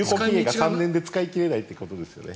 有効期限３年で使い切れないってことですね。